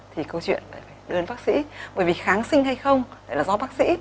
thì câu chuyện phải đưa đến bác sĩ bởi vì kháng sinh hay không lại là do bác sĩ